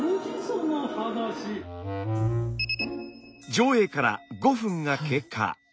上映から５分が経過。